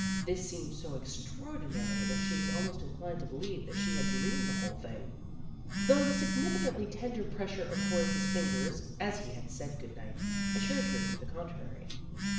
This seemed so extraordinary that she was almost inclined to believe that she had dreamed the whole thing, though the significantly tender pressure of Horace's fingers, as he said good night, assured her to the contrary.